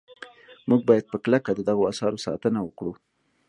موږ باید په کلکه د دغو اثارو ساتنه وکړو.